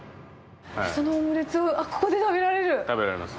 そのオムレツをここで食べら食べられます。